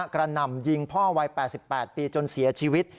หน่ำยิงพ่อวัย๘๘ปีจนเสียชีวิต